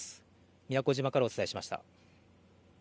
宮古島からお伝えしました。